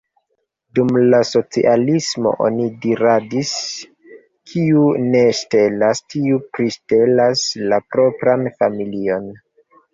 Dum la socialismo oni diradis: kiu ne ŝtelas, tiu priŝtelas la propran familion.